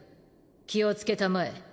気をつけたまえ。